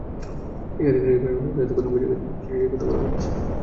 নিখাদ ক্রিকেটপ্রেমীরা হয়তো এতক্ষণে বুঝে গেছেন কোন সিরিজের কথা বলা হচ্ছে।